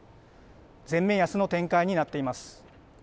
全面安の展開になっています。